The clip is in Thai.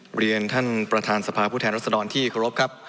เรียนท่านประธานสภาผู้แทนรัศดรที่เคารพครับ